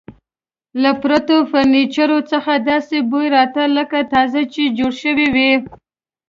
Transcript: له پرتو فرنیچرو څخه داسې بوی راته، لکه تازه چې جوړ شوي وي.